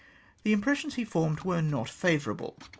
The impres sions he formed were not favourable.